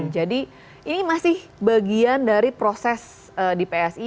jadi ini masih bagian dari proses di psi